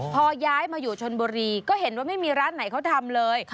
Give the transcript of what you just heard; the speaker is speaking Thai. พอย้ายมาอยู่ชนบุรีก็เห็นว่าไม่มีร้านไหนเขาทำเลย